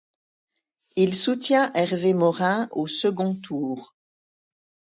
Il soutient Hervé Morin au second tour.